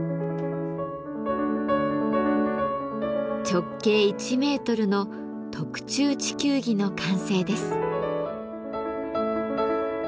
直径１メートルの特注地球儀の完成です。